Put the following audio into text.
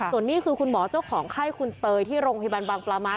ส่วนนี้คือคุณหมอเจ้าของไข้คุณเตยที่โรงพยาบาลบางปลามา